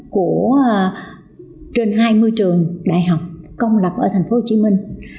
của trên hai mươi trường đại học công lập ở thành phố hồ chí minh